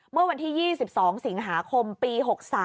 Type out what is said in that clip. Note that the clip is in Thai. เมื่อวันที่๒๒สิงหาคมปี๖๓